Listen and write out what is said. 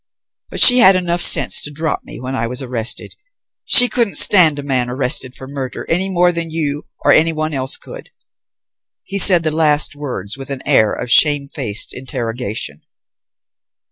But she had enough sense to drop me when I was arrested. She couldn't stand a man arrested for murder any more than you or anyone else could?" He said the last words with an air of shamefaced interrogation.